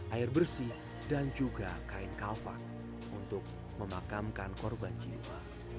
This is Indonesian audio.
air bersih dan juga kain kalva untuk memakamkan korban jiwa